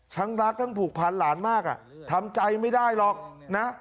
ทั้งรักทั้งผูกพันหลานมากทำใจไม่ได้หรอกนะ